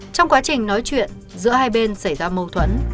trong quá trình nói chuyện giữa hai bên xảy ra mâu thuẫn